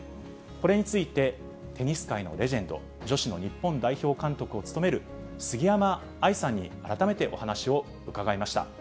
これについて、テニス界のレジェンド、女子の日本代表監督を務める杉山愛さんに改めてお話を伺いました。